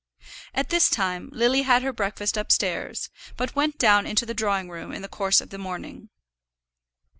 At this time Lily had her breakfast upstairs, but went down into the drawing room in the course of the morning.